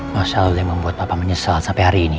masalah yang membuat papa menyesal sampai hari ini